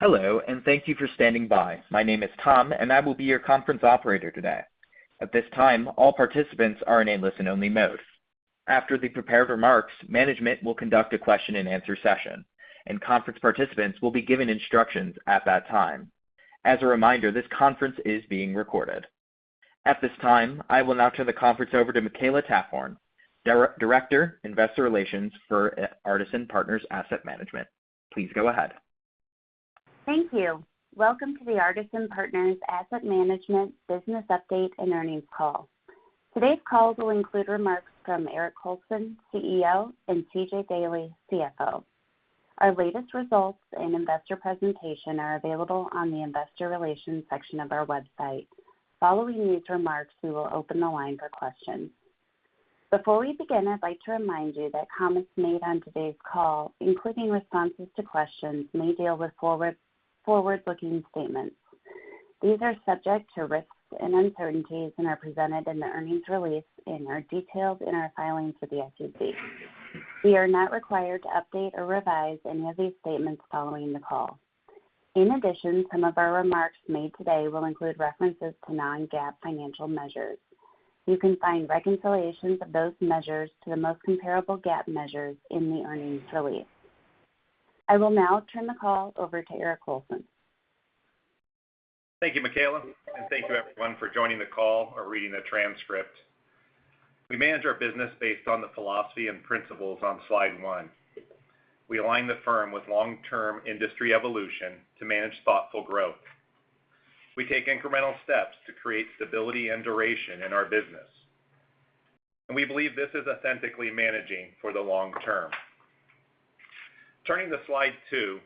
Hello, and thank you for standing by. My name is Tom, and I will be your conference operator today. At this time, all participants are in listen-only mode. After the prepared remarks, management will conduct a question-and-answer session, and conference participants will be given instructions at that time. As a reminder, this conference is being recorded. At this time, I will now turn the conference over to Makela Taphorn, Director, Investor Relations for Artisan Partners Asset Management. Please go ahead. Thank you. Welcome to the Artisan Partners Asset Management business update and earnings call. Today's call will include remarks from Eric Colson, CEO, and C.J. Daley, CFO. Our latest results and investor presentation are available on the investor relations section of our website. Following these remarks, we will open the line for questions. Before we begin, I'd like to remind you that comments made on today's call, including responses to questions, may deal with forward-looking statements. These are subject to risks and uncertainties and are presented in the earnings release and are detailed in our filings with the SEC. We are not required to update or revise any of these statements following the call. In addition, some of our remarks made today will include references to non-GAAP financial measures. You can find reconciliations of those measures to the most comparable GAAP measures in the earnings release. I will now turn the call over to Eric Colson. Thank you, Makela, and thank you everyone for joining the call or reading the transcript. We manage our business based on the philosophy and principles on slide one. We align the firm with long-term industry evolution to manage thoughtful growth. We take incremental steps to create stability and duration in our business. We believe this is authentically managing for the long term. Turning to slide two,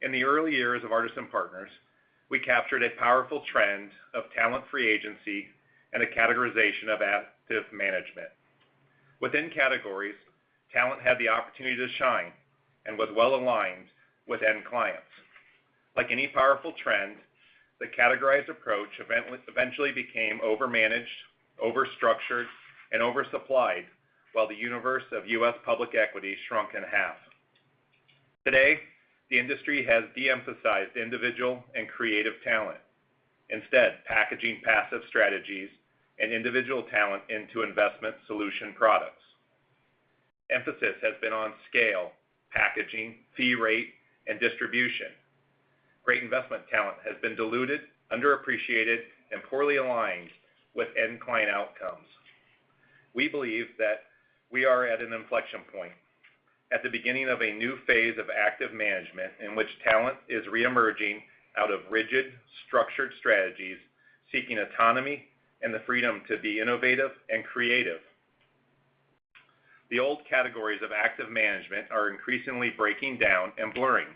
in the early years of Artisan Partners, we captured a powerful trend of talent-free agency and a categorization of active management. Within categories, talent had the opportunity to shine and was well-aligned with end clients. Like any powerful trend, the categorized approach eventually became over-managed, over-structured, and oversupplied, while the universe of U.S. public equity shrunk in half. Today, the industry has de-emphasized individual and creative talent, instead packaging passive strategies and individual talent into investment solution products. Emphasis has been on scale, packaging, fee rate, and distribution. Great investment talent has been diluted, underappreciated, and poorly aligned with end client outcomes. We believe that we are at an inflection point, at the beginning of a new phase of active management in which talent is re-emerging out of rigid, structured strategies, seeking autonomy and the freedom to be innovative and creative. The old categories of active management are increasingly breaking down and blurring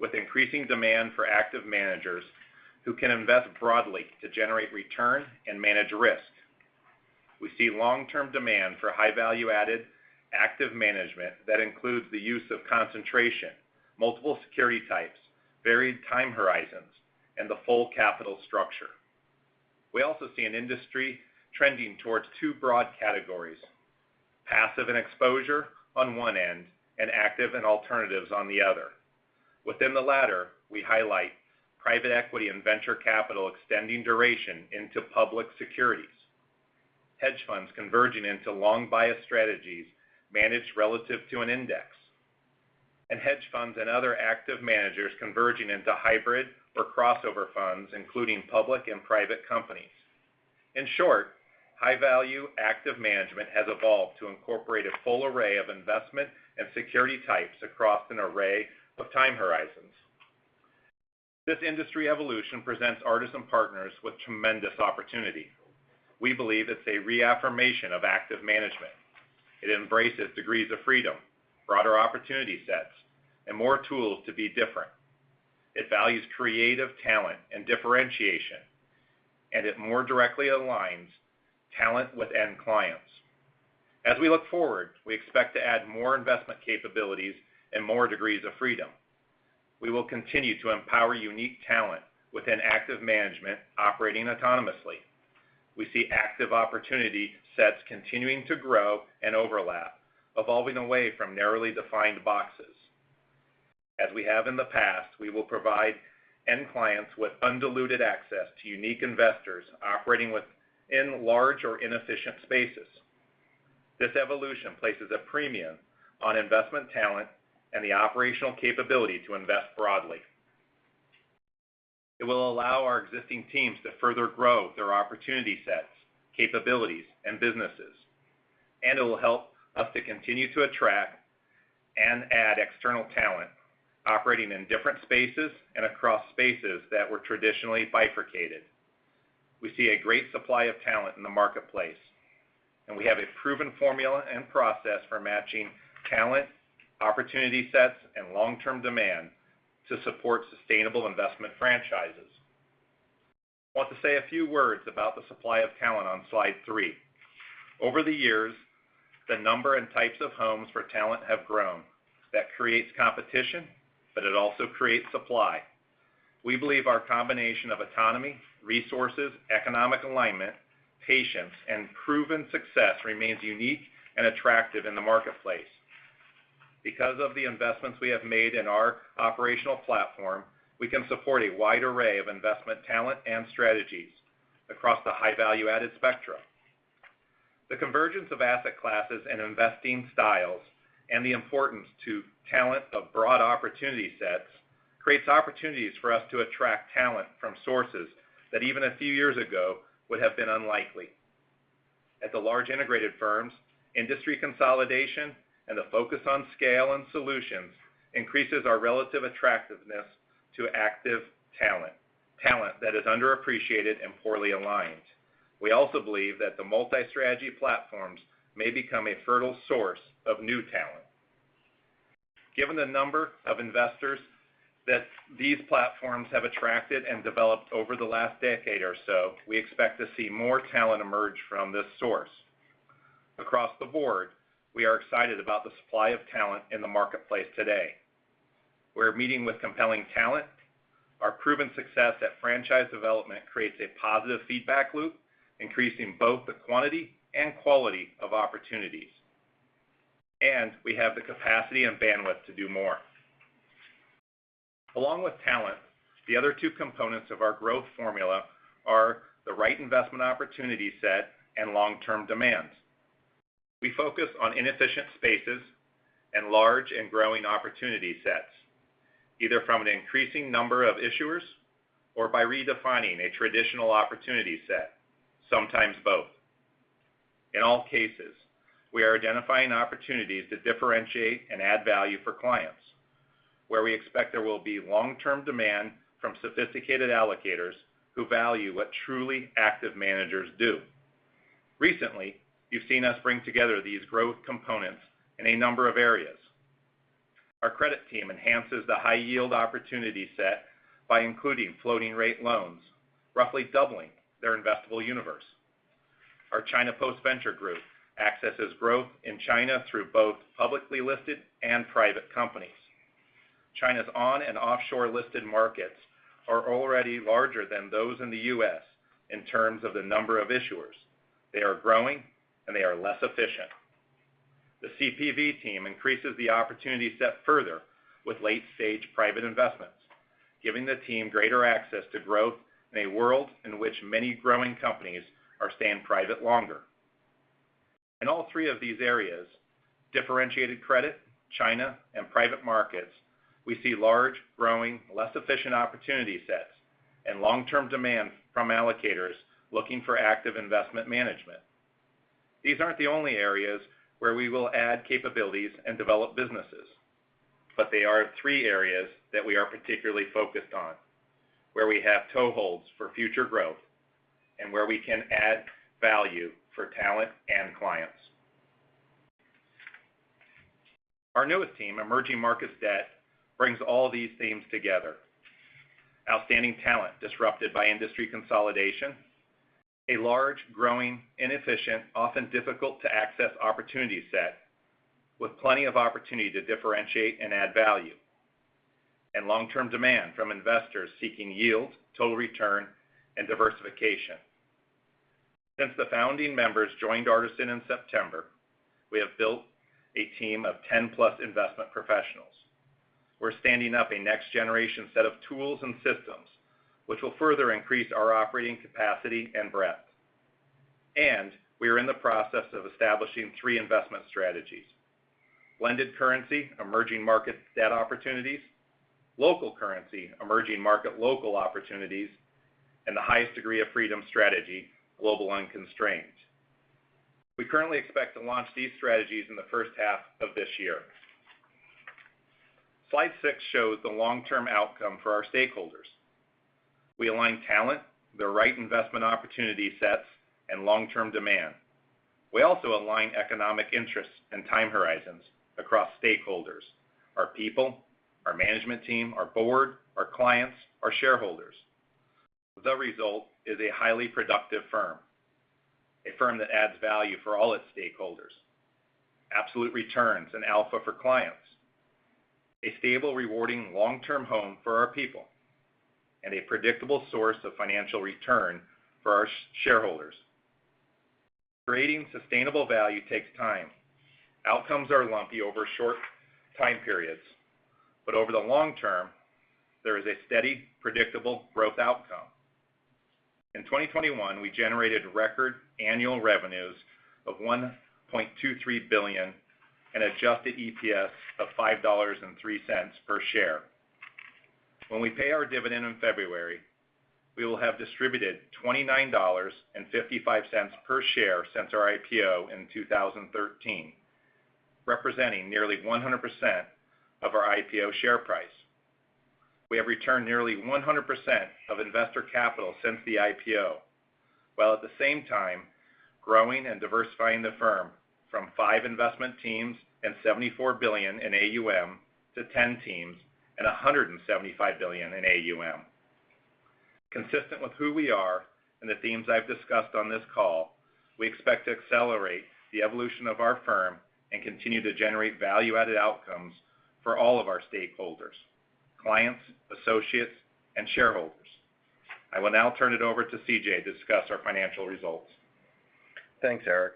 with increasing demand for active managers who can invest broadly to generate return and manage risk. We see long-term demand for high-value added active management that includes the use of concentration, multiple security types, varied time horizons, and the full capital structure. We also see an industry trending towards two broad categories, passive and exposure on one end, and active and alternatives on the other. Within the latter, we highlight private equity and venture capital extending duration into public securities. Hedge funds converging into long bias strategies managed relative to an index. Hedge funds and other active managers converging into hybrid or crossover funds, including public and private companies. In short, high-value active management has evolved to incorporate a full array of investment and security types across an array of time horizons. This industry evolution presents Artisan Partners with tremendous opportunity. We believe it's a reaffirmation of active management. It embraces degrees of freedom, broader opportunity sets, and more tools to be different. It values creative talent and differentiation, and it more directly aligns talent with end clients. As we look forward, we expect to add more investment capabilities and more degrees of freedom. We will continue to empower unique talent within active management operating autonomously. We see active opportunity sets continuing to grow and overlap, evolving away from narrowly defined boxes. As we have in the past, we will provide end clients with undiluted access to unique investors operating within large or inefficient spaces. This evolution places a premium on investment talent and the operational capability to invest broadly. It will allow our existing teams to further grow their opportunity sets, capabilities, and businesses. It will help us to continue to attract and add external talent operating in different spaces and across spaces that were traditionally bifurcated. We see a great supply of talent in the marketplace, and we have a proven formula and process for matching talent, opportunity sets, and long-term demand to support sustainable investment franchises. I want to say a few words about the supply of talent on slide three. Over the years, the number and types of homes for talent have grown. That creates competition, but it also creates supply. We believe our combination of autonomy, resources, economic alignment, patience, and proven success remains unique and attractive in the marketplace. Because of the investments we have made in our operational platform, we can support a wide array of investment talent and strategies across the high value-added spectra. The convergence of asset classes and investing styles and the importance to talent of broad opportunity sets creates opportunities for us to attract talent from sources that even a few years ago would have been unlikely. At the large integrated firms, industry consolidation and the focus on scale and solutions increases our relative attractiveness to active talent that is underappreciated and poorly aligned. We also believe that the multi-strategy platforms may become a fertile source of new talent. Given the number of investors that these platforms have attracted and developed over the last decade or so, we expect to see more talent emerge from this source. Across the board, we are excited about the supply of talent in the marketplace today. We're meeting with compelling talent. Our proven success at franchise development creates a positive feedback loop, increasing both the quantity and quality of opportunities. We have the capacity and bandwidth to do more. Along with talent, the other two components of our growth formula are the right investment opportunity set and long-term demands. We focus on inefficient spaces and large and growing opportunity sets, either from an increasing number of issuers or by redefining a traditional opportunity set, sometimes both. In all cases, we are identifying opportunities that differentiate and add value for clients, where we expect there will be long-term demand from sophisticated allocators who value what truly active managers do. Recently, you've seen us bring together these growth components in a number of areas. Our credit team enhances the high-yield opportunity set by including floating rate loans, roughly doubling their investable universe. Our China Post-Venture Group accesses growth in China through both publicly listed and private companies. China's on- and offshore listed markets are already larger than those in the U.S. in terms of the number of issuers. They are growing, and they are less efficient. The CPV team increases the opportunity set further with late-stage private investments, giving the team greater access to growth in a world in which many growing companies are staying private longer. In all three of these areas, differentiated credit, China, and private markets, we see large, growing, less efficient opportunity sets and long-term demand from allocators looking for active investment management. These aren't the only areas where we will add capabilities and develop businesses, but they are three areas that we are particularly focused on, where we have toeholds for future growth, and where we can add value for talent and clients. Our newest team, Emerging Markets Debt, brings all these themes together, outstanding talent disrupted by industry consolidation, a large, growing, inefficient, often difficult to access opportunity set with plenty of opportunity to differentiate and add value, and long-term demand from investors seeking yield, total return, and diversification. Since the founding members joined Artisan in September, we have built a team of 10-plus investment professionals. We're standing up a next-generation set of tools and systems which will further increase our operating capacity and breadth. We are in the process of establishing three investment strategies: blended currency, Emerging Markets Debt Opportunities, local currency, Emerging Markets Local Opportunities, and the highest degree of freedom strategy, Global Unconstrained. We currently expect to launch these strategies in the first half of this year. Slide 6 shows the long-term outcome for our stakeholders. We align talent, the right investment opportunity sets, and long-term demand. We also align economic interests and time horizons across stakeholders, our people, our management team, our board, our clients, our shareholders. The result is a highly productive firm, a firm that adds value for all its stakeholders, absolute returns and alpha for clients, a stable, rewarding long-term home for our people, and a predictable source of financial return for our shareholders. Creating sustainable value takes time. Outcomes are lumpy over short time periods, but over the long term, there is a steady, predictable growth outcome. In 2021, we generated record annual revenues of $1.23 billion and adjusted EPS of $5.03 per share. When we pay our dividend in February, we will have distributed $29.55 per share since our IPO in 2013, representing nearly 100% of our IPO share price. We have returned nearly 100% of investor capital since the IPO, while at the same time growing and diversifying the firm from 5 investment teams and $74 billion in AUM to 10 teams and $175 billion in AUM. Consistent with who we are and the themes I've discussed on this call, we expect to accelerate the evolution of our firm and continue to generate value-added outcomes for all of our stakeholders, clients, associates, and shareholders. I will now turn it over to C.J. to discuss our financial results. Thanks, Eric.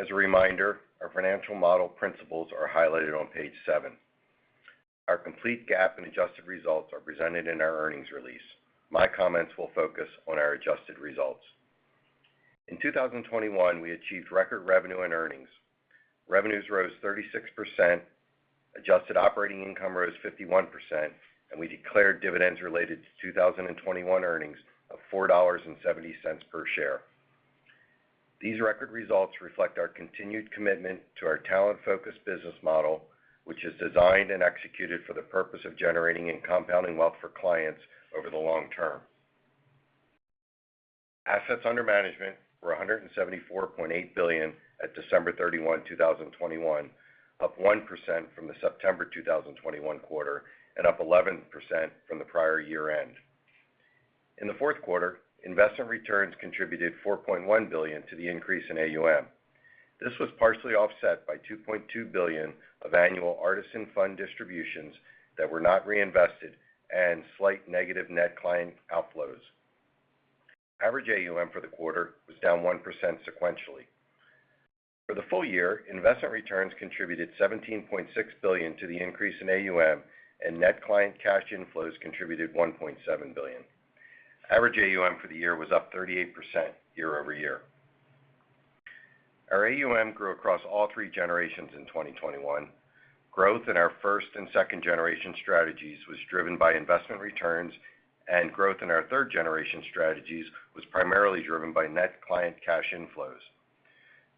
As a reminder, our financial model principles are highlighted on page 7. Our complete GAAP and adjusted results are presented in our earnings release. My comments will focus on our adjusted results. In 2021, we achieved record revenue and earnings. Revenues rose 36%, adjusted operating income rose 51%, and we declared dividends related to 2021 earnings of $4.70 per share. These record results reflect our continued commitment to our talent-focused business model, which is designed and executed for the purpose of generating and compounding wealth for clients over the long term. Assets under management were $174.8 billion at December 31, 2021, up 1% from the September 2021 quarter and up 11% from the prior year-end. In the fourth quarter, investment returns contributed $4.1 billion to the increase in AUM. This was partially offset by $2.2 billion of annual Artisan Fund distributions that were not reinvested and slight negative net client outflows. Average AUM for the quarter was down 1% sequentially. For the full year, investment returns contributed $17.6 billion to the increase in AUM, and net client cash inflows contributed $1.7 billion. Average AUM for the year was up 38% year-over-year. Our AUM grew across all three generations in 2021. Growth in our first and second generation strategies was driven by investment returns, and growth in our third generation strategies was primarily driven by net client cash inflows.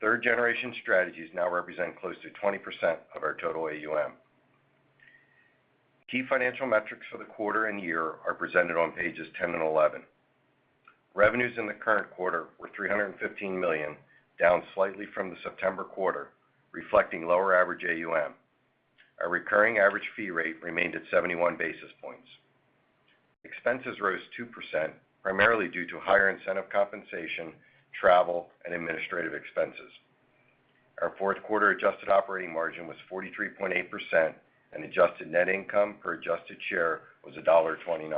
Third generation strategies now represent close to 20% of our total AUM. Key financial metrics for the quarter and year are presented on pages 10 and 11. Revenues in the current quarter were $315 million, down slightly from the September quarter, reflecting lower average AUM. Our recurring average fee rate remained at 71 basis points. Expenses rose 2%, primarily due to higher incentive compensation, travel, and administrative expenses. Our fourth quarter adjusted operating margin was 43.8%, and adjusted net income per adjusted share was $1.29.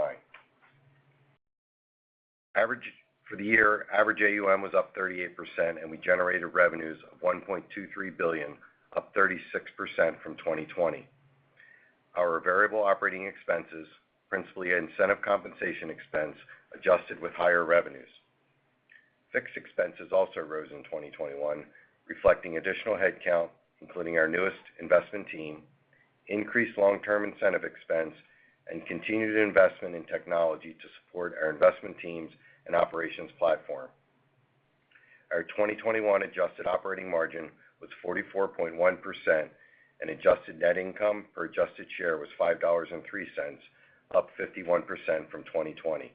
For the year, average AUM was up 38%, and we generated revenues of $1.23 billion, up 36% from 2020. Our variable operating expenses, principally incentive compensation expense, adjusted with higher revenues. Fixed expenses also rose in 2021, reflecting additional headcount, including our newest investment team, increased long-term incentive expense, and continued investment in technology to support our investment teams and operations platform. Our 2021 adjusted operating margin was 44.1%, and adjusted net income per adjusted share was $5.03, up 51% from 2020.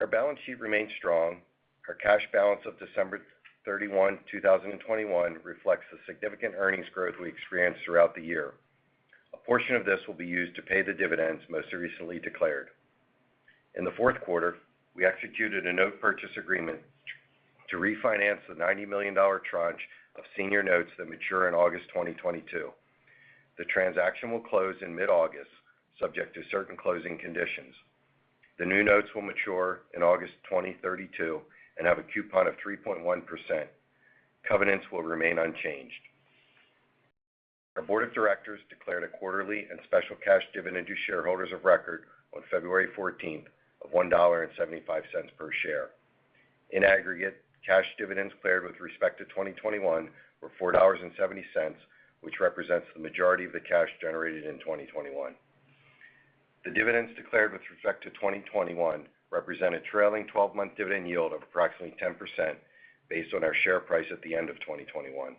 Our balance sheet remains strong. Our cash balance of December 31, 2021 reflects the significant earnings growth we experienced throughout the year. A portion of this will be used to pay the dividends most recently declared. In the fourth quarter, we executed a note purchase agreement to refinance the $90 million tranche of senior notes that mature in August 2022. The transaction will close in mid-August, subject to certain closing conditions. The new notes will mature in August 2032 and have a coupon of 3.1%. Covenants will remain unchanged. Our board of directors declared a quarterly and special cash dividend to shareholders of record on February 14 of $1.75 per share. In aggregate, cash dividends declared with respect to 2021 were $4.70, which represents the majority of the cash generated in 2021. The dividends declared with respect to 2021 represent a trailing 12-month dividend yield of approximately 10% based on our share price at the end of 2021.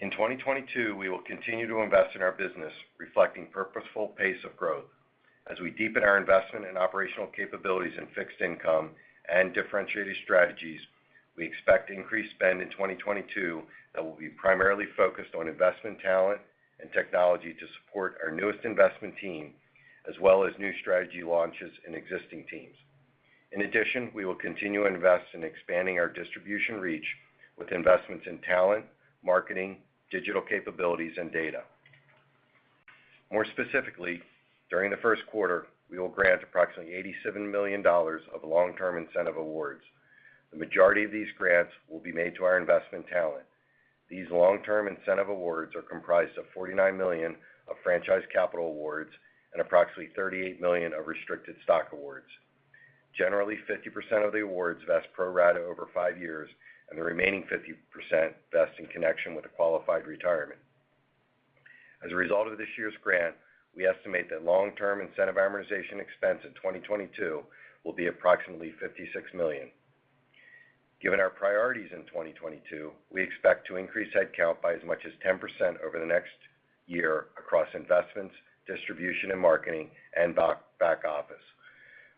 In 2022, we will continue to invest in our business, reflecting purposeful pace of growth. As we deepen our investment in operational capabilities in fixed income and differentiated strategies, we expect increased spend in 2022 that will be primarily focused on investment talent and technology to support our newest investment team, as well as new strategy launches in existing teams. In addition, we will continue to invest in expanding our distribution reach with investments in talent, marketing, digital capabilities, and data. More specifically, during the first quarter, we will grant approximately $87 million of long-term incentive awards. The majority of these grants will be made to our investment talent. These long-term incentive awards are comprised of $49 million of franchise capital awards and approximately $38 million of restricted stock awards. Generally, 50% of the awards vest pro rata over 5 years, and the remaining 50% vest in connection with a qualified retirement. As a result of this year's grant, we estimate that long-term incentive amortization expense in 2022 will be approximately $56 million. Given our priorities in 2022, we expect to increase headcount by as much as 10% over the next year across investments, distribution and marketing, and back office.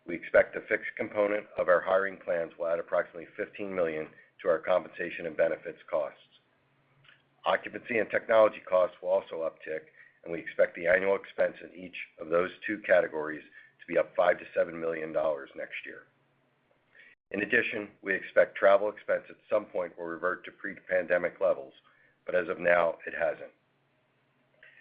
We expect the fixed component of our hiring plans will add approximately $15 million to our compensation and benefits costs. Occupancy and technology costs will also uptick, and we expect the annual expense in each of those two categories to be up $5 million-$7 million next year. In addition, we expect travel expense at some point will revert to pre-pandemic levels, but as of now, it hasn't.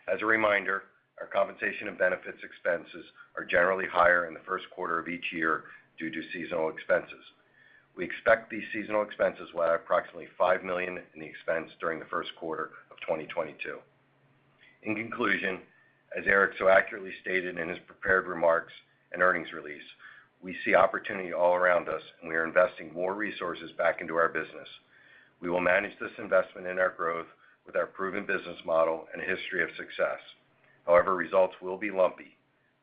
As a reminder, our compensation and benefits expenses are generally higher in the first quarter of each year due to seasonal expenses. We expect these seasonal expenses will add approximately $5 million to expenses during the first quarter of 2022. In conclusion, as Eric so accurately stated in his prepared remarks and earnings release, we see opportunity all around us, and we are investing more resources back into our business. We will manage this investment in our growth with our proven business model and history of success. However, results will be lumpy.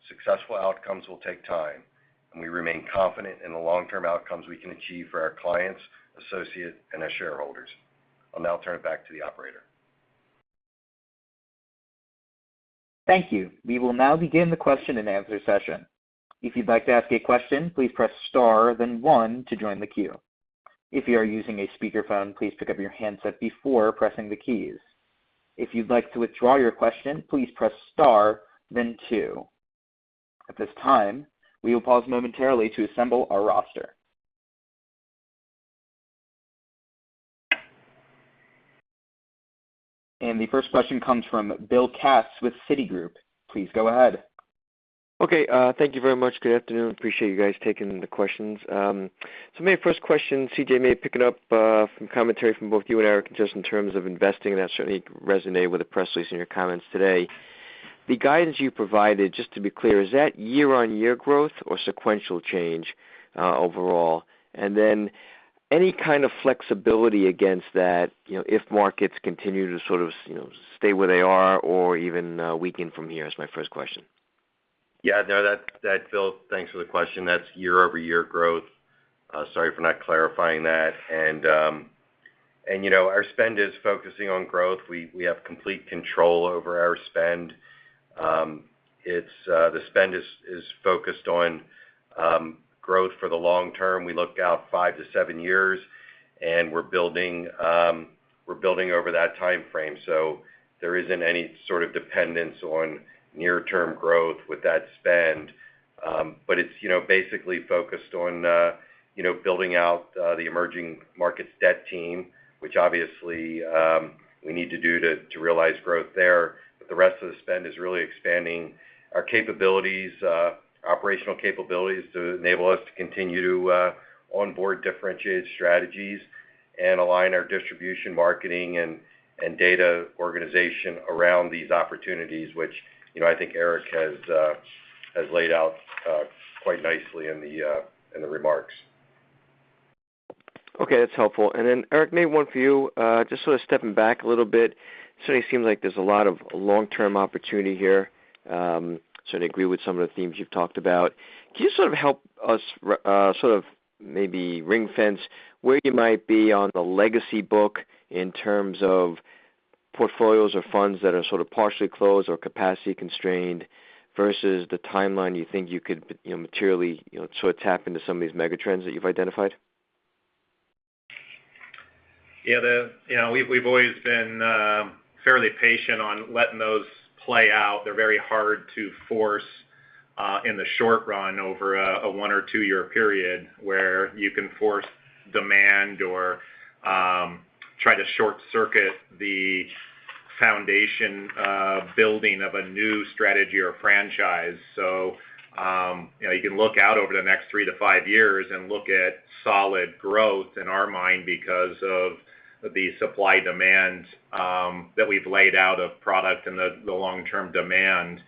Successful outcomes will take time, and we remain confident in the long-term outcomes we can achieve for our clients, associates, and our shareholders. I'll now turn it back to the operator. Thank you. We will now begin the question-and-answer session. If you'd like to ask a question, please press star then one to join the queue. If you are using a speakerphone, please pick up your handset before pressing the keys. If you'd like to withdraw your question, please press star then two. At this time, we will pause momentarily to assemble our roster. The first question comes from Bill Katz with Citigroup. Please go ahead. Okay, thank you very much. Good afternoon. Appreciate you guys taking the questions. So my first question, C.J., may pick it up from commentary from both you and Eric, just in terms of investing, and that certainly resonated with the press release in your comments today. The guidance you provided, just to be clear, is that year-on-year growth or sequential change overall? And then any kind of flexibility against that, you know, if markets continue to sort of, you know, stay where they are or even weaken from here is my first question. Bill, thanks for the question. That's year-over-year growth. Sorry for not clarifying that. You know, our spend is focusing on growth. We have complete control over our spend. The spend is focused on growth for the long term. We look out 5-7 years, and we're building over that timeframe. There isn't any sort of dependence on near-term growth with that spend. But it's, you know, basically focused on, you know, building out the Emerging Markets Debt team, which obviously we need to do to realize growth there. The rest of the spend is really expanding our capabilities, operational capabilities to enable us to continue to onboard differentiated strategies and align our distribution, marketing, and data organization around these opportunities which, you know, I think Eric has laid out quite nicely in the remarks. Okay, that's helpful. Eric, maybe one for you. Just sort of stepping back a little bit, certainly seems like there's a lot of long-term opportunity here, certainly agree with some of the themes you've talked about. Can you sort of help us sort of maybe ring-fence where you might be on the legacy book in terms of portfolios or funds that are sort of partially closed or capacity constrained versus the timeline you think you could, you know, materially, you know, sort of tap into some of these mega trends that you've identified? Yeah. You know, we've always been fairly patient on letting those play out. They're very hard to force in the short run over a 1- or 2-year period where you can force demand or try to short-circuit the foundation building of a new strategy or franchise. You know, you can look out over the next 3-5 years and look at solid growth in our mind because of the supply-demand that we've laid out of product and the long-term demand.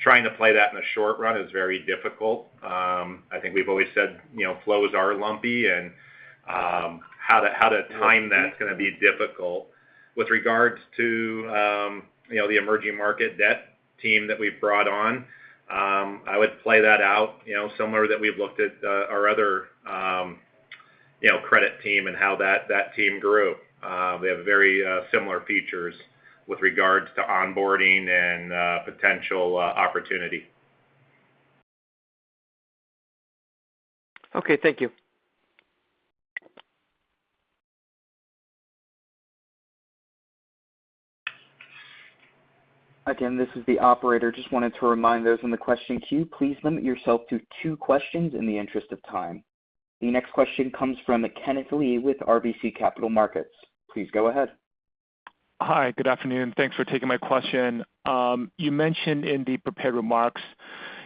Trying to play that in the short run is very difficult. I think we've always said, you know, flows are lumpy and how to time that is gonna be difficult. With regards to, you know, the Emerging Markets Debt team that we've brought on, I would play that out, you know, similar to that we've looked at, our other, you know, Credit team and how that team grew. They have very similar features with regards to onboarding and potential opportunity. Okay, thank you. Again, this is the operator. Just wanted to remind those on the question queue, please limit yourself to two questions in the interest of time. The next question comes from Kenneth Lee with RBC Capital Markets. Please go ahead. Hi. Good afternoon. Thanks for taking my question. You mentioned in the prepared remarks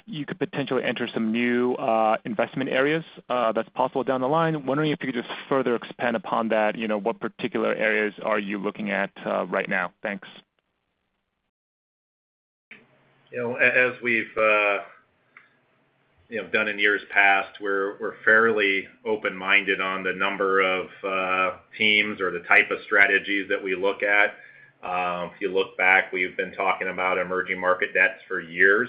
you could potentially enter some new investment areas, that's possible down the line. I'm wondering if you could just further expand upon that. You know, what particular areas are you looking at right now? Thanks. You know, as we've you know, done in years past, we're fairly open-minded on the number of teams or the type of strategies that we look at. If you look back, we've been talking about Emerging Markets Debt for years.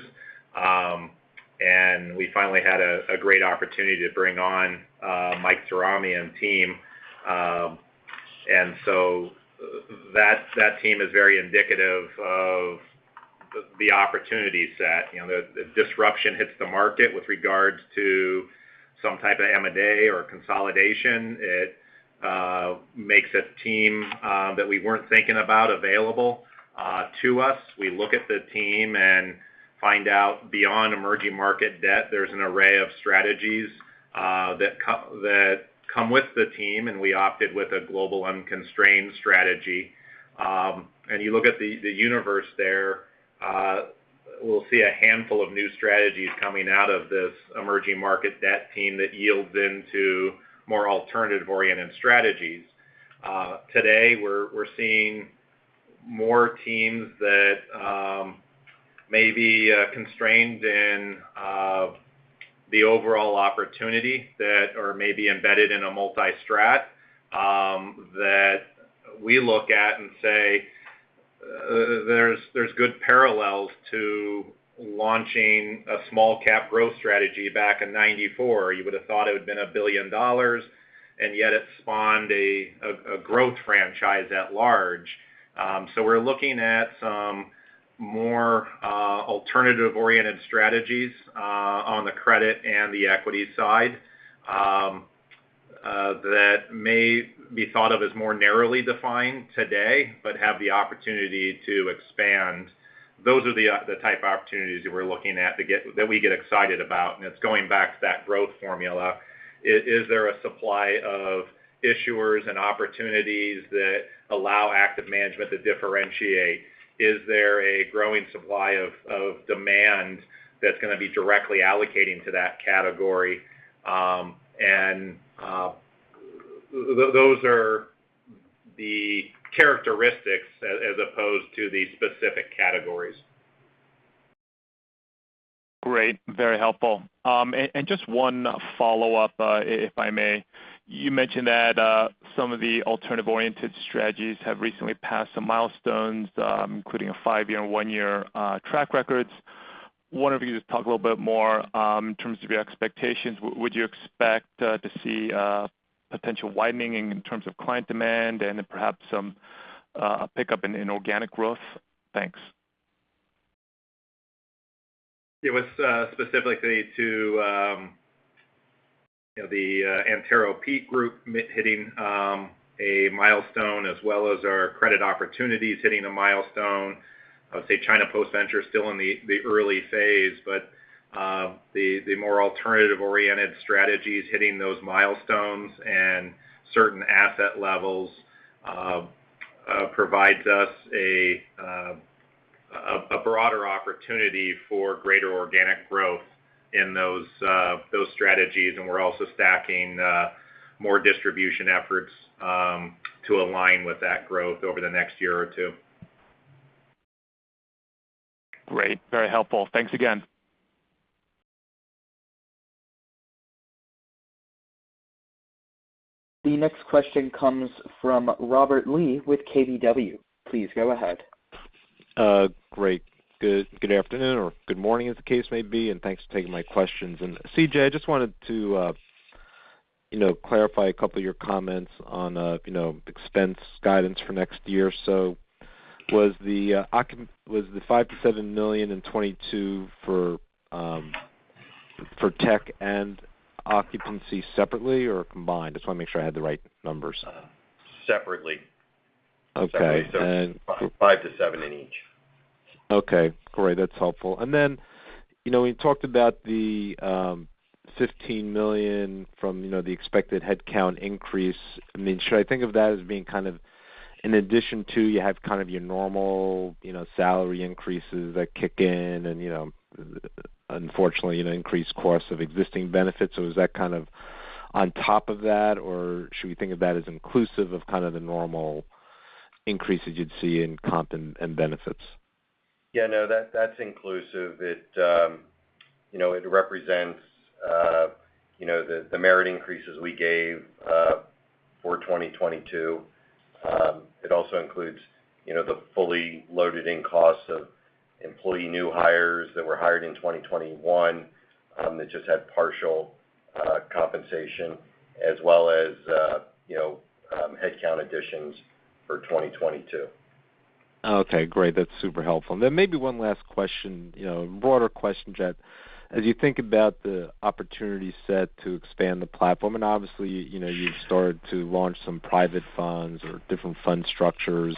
We finally had a great opportunity to bring on Michael Cirami and team. That team is very indicative of the opportunity set. You know, the disruption hits the market with regards to some type of M&A or consolidation. It makes a team that we weren't thinking about available to us. We look at the team and find out beyond Emerging Markets Debt, there's an array of strategies that come with the team, and we opted with a global unconstrained strategy. You look at the universe there, we'll see a handful of new strategies coming out of this Emerging Markets Debt team that yields into more alternative-oriented strategies. Today, we're seeing more teams that may be constrained in the overall opportunity that are maybe embedded in a multi-strat that we look at and say, there's good parallels to launching a small cap growth strategy back in 1994. You would have thought it would have been $1 billion, and yet it spawned a growth franchise at large. We're looking at some more alternative-oriented strategies on the credit and the equity side that may be thought of as more narrowly defined today, but have the opportunity to expand. Those are the type of opportunities that we're looking at that we get excited about, and it's going back to that growth formula. Is there a supply of issuers and opportunities that allow active management to differentiate? Is there a growing supply of demand that's gonna be directly allocating to that category? Those are the characteristics as opposed to the specific categories. Great. Very helpful. Just one follow-up, if I may. You mentioned that some of the alternative-oriented strategies have recently passed some milestones, including a 5-year and 1-year track records. Wanted to just talk a little bit more in terms of your expectations. Would you expect to see a potential widening in terms of client demand and then perhaps some pickup in organic growth? Thanks. It was specifically to you know the Antero Peak Group hitting a milestone as well as our Credit Opportunities hitting a milestone. I would say China Post-Venture is still in the early phase, but the more alternative-oriented strategies hitting those milestones and certain asset levels provides us a broader opportunity for greater organic growth in those strategies. We're also stacking more distribution efforts to align with that growth over the next year or two. Great. Very helpful. Thanks again. The next question comes from Robert Lee with KBW. Please go ahead. Great. Good afternoon or good morning, as the case may be, thanks for taking my questions. C.J. Daley, I just wanted to, you know, clarify a couple of your comments on, you know, expense guidance for next year. Was the $5 million-$7 million in 2022 for tech and occupancy separately or combined? I just wanna make sure I have the right numbers. Separately. Okay. 5 to 7 in each. Okay. Great. That's helpful. Then, you know, when you talked about the $15 million from, you know, the expected headcount increase, I mean, should I think of that as being kind of in addition to you have kind of your normal, you know, salary increases that kick in and, you know, unfortunately, an increased cost of existing benefits? Is that kind of on top of that, or should we think of that as inclusive of kind of the normal increases you'd see in comp and benefits? Yeah, no, that's inclusive. It you know, it represents you know, the merit increases we gave for 2022. It also includes you know, the fully loaded costs of employee new hires that were hired in 2021 that just had partial compensation as well as you know, headcount additions for 2022. Okay, great. That's super helpful. Maybe one last question, you know, a broader question, Eric. As you think about the opportunity set to expand the platform, and obviously, you know, you've started to launch some private funds or different fund structures.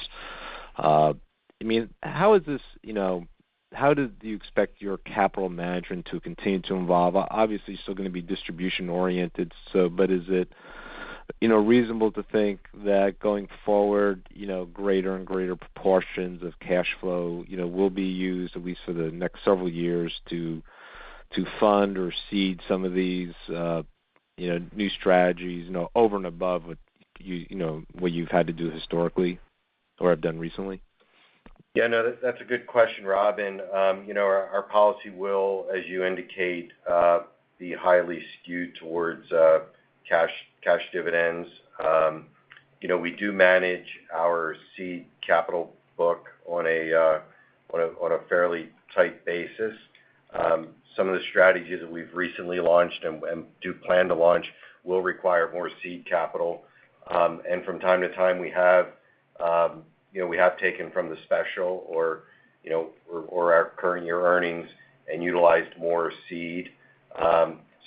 How do you expect your capital management to continue to evolve? Obviously, still gonna be distribution-oriented, so but is it, you know, reasonable to think that going forward, you know, greater and greater proportions of cash flow, you know, will be used at least for the next several years to fund or seed some of these, you know, new strategies, you know, over and above what you know what you've had to do historically or have done recently? Yeah, no, that's a good question, Rob. You know, our policy will, as you indicate, be highly skewed towards cash dividends. You know, we do manage our seed capital book on a fairly tight basis. Some of the strategies that we've recently launched and do plan to launch will require more seed capital. From time to time, we have, you know, taken from the special or our current year earnings and utilized more seed.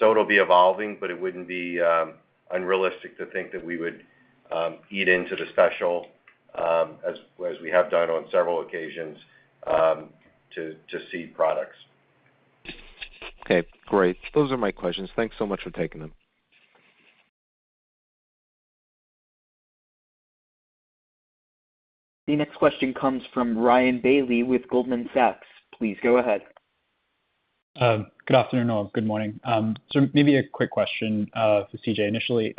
It'll be evolving, but it wouldn't be unrealistic to think that we would eat into the special as we have done on several occasions to seed products. Okay, great. Those are my questions. Thanks so much for taking them. The next question comes from Ryan Bailey with Goldman Sachs. Please go ahead. Good afternoon all. Good morning. Maybe a quick question for C.J. initially.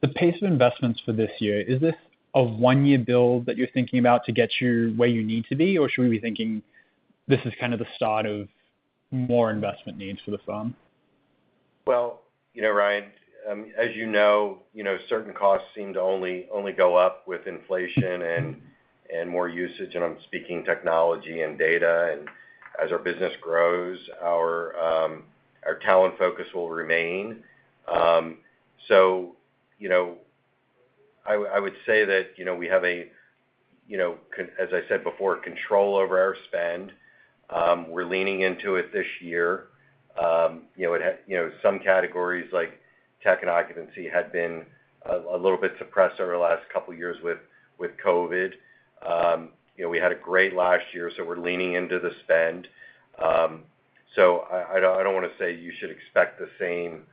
The pace of investments for this year, is this a one-year build that you're thinking about to get you where you need to be? Or should we be thinking this is kind of the start of more investment needs for the firm? Well, you know, Ryan, as you know, you know, certain costs seem to only go up with inflation and more usage, and I'm speaking technology and data. As our business grows, our talent focus will remain. You know, I would say that, you know, we have a, you know, as I said before, control over our spend. We're leaning into it this year. You know, some categories like tech and occupancy had been a little bit suppressed over the last couple years with COVID. You know, we had a great last year, so we're leaning into the spend. I don't wanna say you should expect the same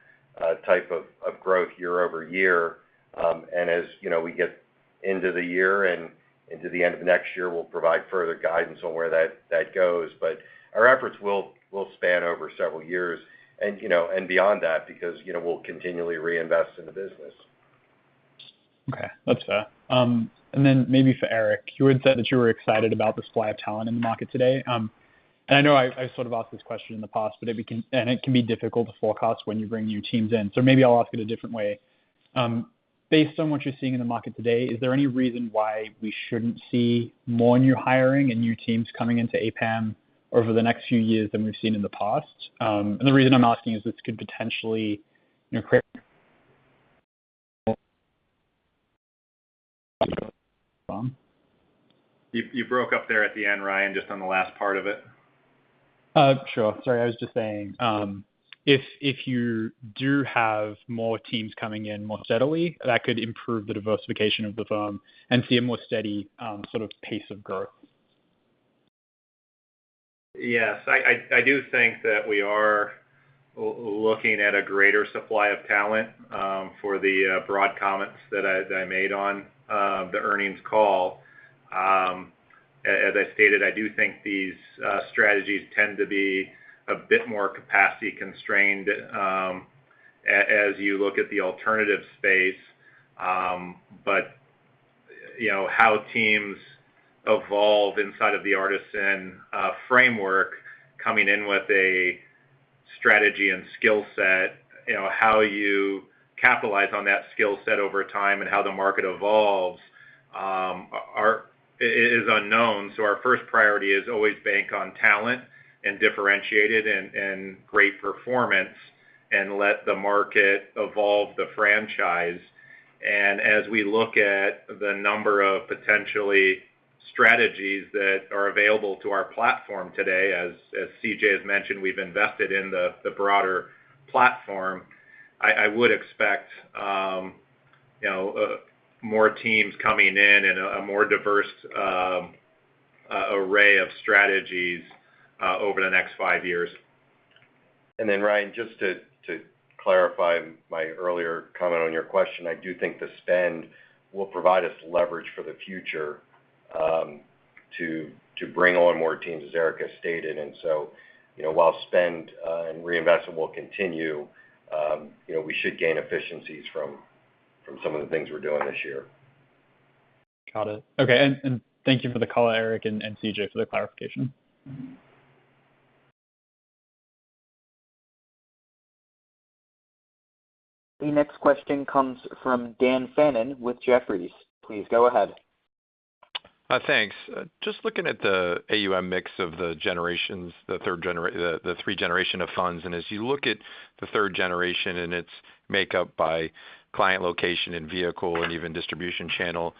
type of growth year-over-year. As you know, we get into the year and into the end of next year, we'll provide further guidance on where that goes. Our efforts will span over several years and, you know, and beyond that, because, you know, we'll continually reinvest in the business. Okay, that's fair. Then maybe for Eric. You had said that you were excited about the supply of talent in the market today. I know I sort of asked this question in the past, but it can be difficult to forecast when you bring new teams in, so maybe I'll ask it a different way. Based on what you're seeing in the market today, is there any reason why we shouldn't see more new hiring and new teams coming into APAM over the next few years than we've seen in the past? The reason I'm asking is this could potentially, you know, create firm. You broke up there at the end, Ryan, just on the last part of it. Sure. Sorry, I was just saying, if you do have more teams coming in more steadily, that could improve the diversification of the firm and see a more steady, sort of pace of growth. Yes. I do think that we are looking at a greater supply of talent for the broad comments that I made on the earnings call. As I stated, I do think these strategies tend to be a bit more capacity constrained as you look at the alternative space. You know, how teams evolve inside of the Artisan framework coming in with a strategy and skill set, you know, how you capitalize on that skill set over time and how the market evolves is unknown. Our first priority is always bank on talent and differentiate it and great performance, and let the market evolve the franchise. As we look at the number of potential strategies that are available to our platform today, as C.J. has mentioned, we've invested in the broader platform. I would expect, you know, more teams coming in and a more diverse array of strategies over the next five years. Ryan, just to clarify my earlier comment on your question, I do think the spend will provide us leverage for the future, to bring on more teams, as Eric has stated. You know, while spend and reinvestment will continue, you know, we should gain efficiencies from some of the things we're doing this year. Got it. Okay, and thank you for the call, Eric and C.J., for the clarification. The next question comes from Dan Fannon with Jefferies. Please go ahead. Thanks. Just looking at the AUM mix of the generations, the third generation of funds. As you look at the third generation and its makeup by client location and vehicle and even distribution channel,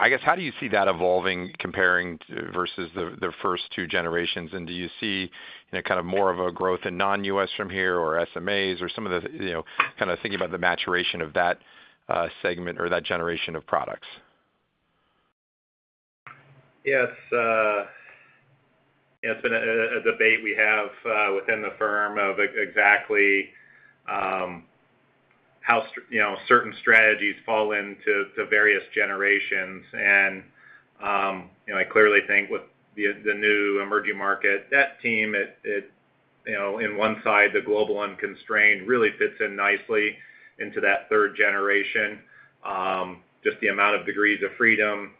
I guess, how do you see that evolving comparing versus the first two generations? Do you see kind of more of a growth in non-US from here or SMAs or some of the, you know, kind of thinking about the maturation of that segment or that generation of products? Yes. It's been a debate we have within the firm of exactly how, you know, certain strategies fall into the various generations. I clearly think with the new emerging market, that team, it, you know, on one side, the Global Unconstrained really fits in nicely into that third generation. Just the amount of degrees of freedom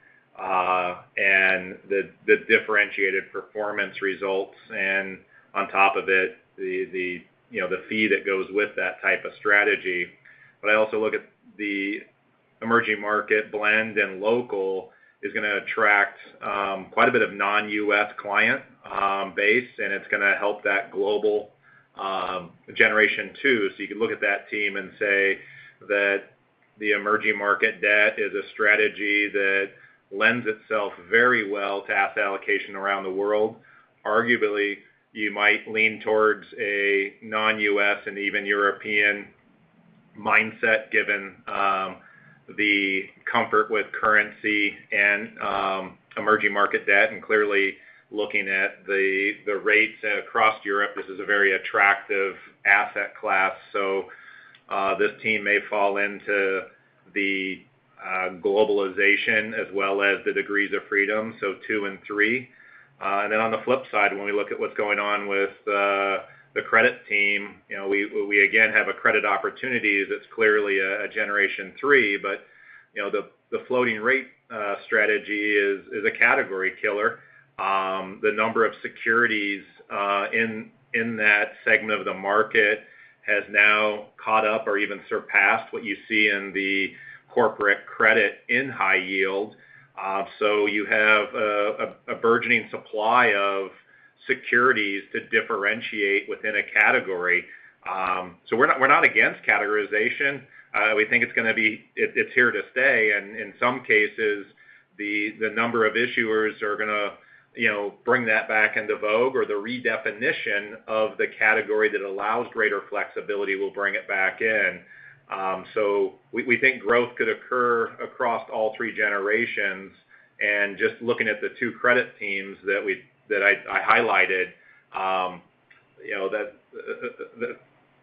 and the differentiated performance results and on top of it, the fee that goes with that type of strategy. I also look at the Emerging Market Blend and Local is gonna attract quite a bit of non-US client base, and it's gonna help that global generation two. You can look at that team and say that the Emerging Markets Debt is a strategy that lends itself very well to asset allocation around the world. Arguably, you might lean towards a non-U.S. and even European mindset, given the comfort with currency and Emerging Markets Debt. Clearly, looking at the rates across Europe, this is a very attractive asset class. This team may fall into the globalization as well as the degrees of freedom, so two and three. Then on the flip side, when we look at what's going on with the credit team, you know, we again have a Credit Opportunity that's clearly a generation three. You know, the floating rate strategy is a category killer. The number of securities in that segment of the market has now caught up or even surpassed what you see in the corporate credit in high yield. You have a burgeoning supply of securities to differentiate within a category. We're not against categorization. We think it's gonna be here to stay. In some cases, the number of issuers are gonna, you know, bring that back into vogue or the redefinition of the category that allows greater flexibility will bring it back in. We think growth could occur across all three generations. Just looking at the two credit teams that I highlighted, you know,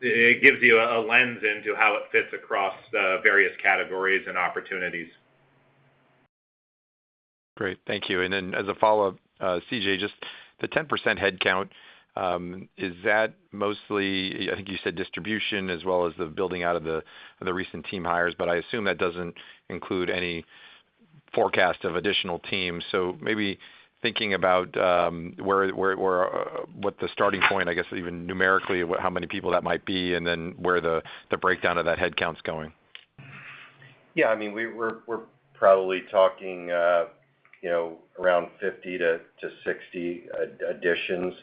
it gives you a lens into how it fits across the various categories and opportunities. Great. Thank you. As a follow-up, C.J., just the 10% headcount is that mostly. I think you said distribution as well as the building out of the recent team hires, but I assume that doesn't include any forecast of additional teams. Maybe thinking about where what the starting point, I guess, even numerically, how many people that might be and then where the breakdown of that headcount's going. Yeah. I mean, we're probably talking, you know, around 50-60 additions.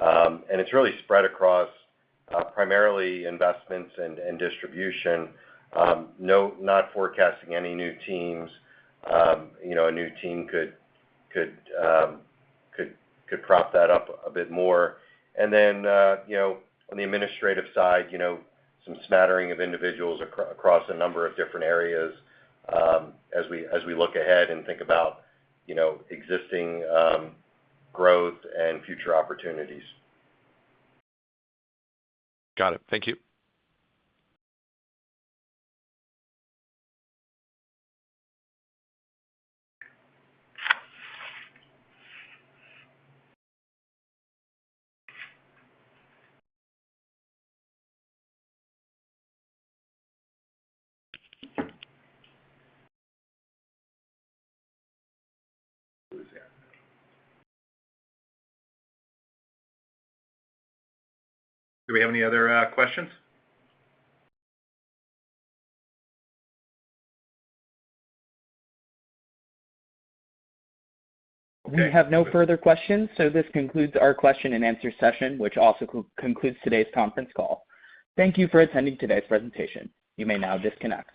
It's really spread across primarily investments and distribution. Not forecasting any new teams. You know, a new team could prop that up a bit more. Then, you know, on the administrative side, you know, some smattering of individuals across a number of different areas, as we look ahead and think about, you know, existing growth and future opportunities. Got it. Thank you. Do we have any other questions? We have no further questions, so this concludes our question and answer session, which also concludes today's conference call. Thank you for attending today's presentation. You may now disconnect.